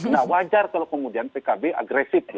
nah wajar kalau kemudian pkb agresif